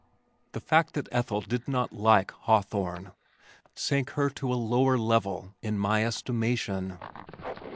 The fact that Ethel did not "like" Hawthorne, sank her to a lower level in my estimation.